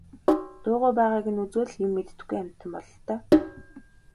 Дуугүй байгааг нь үзвэл юм мэддэггүй амьтан бололтой.